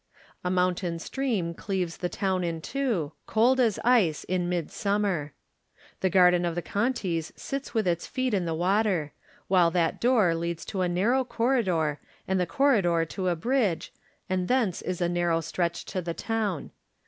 A mountain stream cleaves the town in two, cold as ice in midsummer. The garden of the Contis sits with its feet in the water, while that door leads to a narrow corridor and the corridor to a bridge, and thence is a narrow stretch to the town.